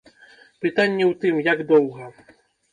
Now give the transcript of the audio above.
Пытанне ў тым, як доўга.